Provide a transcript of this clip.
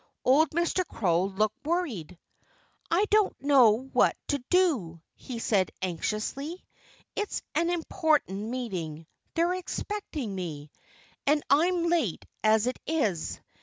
Old Mr. Crow looked worried. "I don't know what to do," he said anxiously. "It's an important meeting. They're expecting me. And I'm late, as it is.